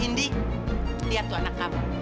indik lihat tuh anak kamu